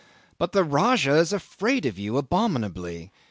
. "But the Rajah is afraid of you abominably.